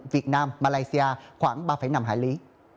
việt nam malaysia khoảng ba năm hải lý